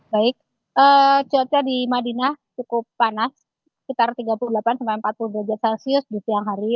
baik cuaca di madinah cukup panas sekitar tiga puluh delapan sampai empat puluh derajat celcius di siang hari